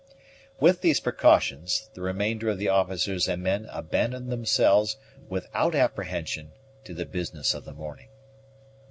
With these precautions, the remainder of the officers and men abandoned themselves, without apprehension, to the business of the morning.